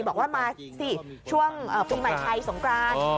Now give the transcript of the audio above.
บอกว่ามาสิช่วงปีใหม่ไทยสงกราน